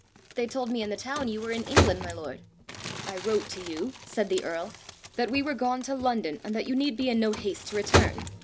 "They told me in the town you were in England, my lord!" "I wrote to you," said the earl, "that we were gone to London, and that you need be in no haste to return.